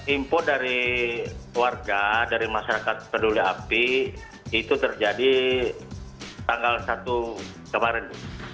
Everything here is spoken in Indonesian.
info dari warga dari masyarakat peduli api itu terjadi tanggal satu kemarin